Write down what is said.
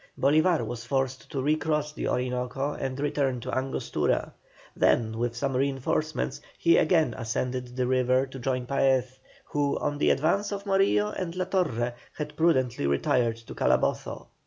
Bolívar was forced to recross the Orinoco and return to Angostura. Then with some reinforcements he again ascended the river to join Paez, who, on the advance of Morillo and La Torre had prudently retired to Calabozo.